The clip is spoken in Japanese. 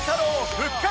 復活！